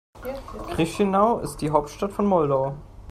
Chișinău ist die Hauptstadt von Moldau.